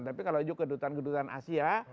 tapi kalau kedutaan kedutaan asia